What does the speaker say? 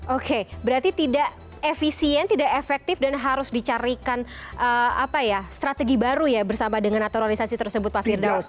oke berarti tidak efisien tidak efektif dan harus dicarikan strategi baru ya bersama dengan naturalisasi tersebut pak firdaus